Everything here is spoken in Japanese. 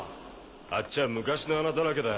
あっちは昔の穴だらけだ。